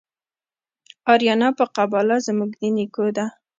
آریانا په قباله زموږ د نیکو ده